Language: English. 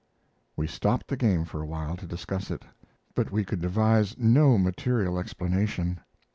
We stopped the game for a while to discuss it, but we could devise no material explanation.